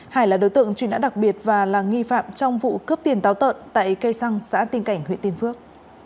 hải là đối tượng truy nã đặc biệt và là nghi phạm trong vụ cướp tiền táo tợn tại cây xăng xã tiên cảnh huyện tiên phước